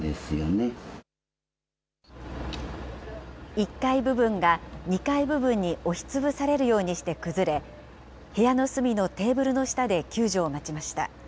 １階部分が２階部分に押しつぶされるようにして崩れ、部屋の隅のテーブルの下で救助を待ちました。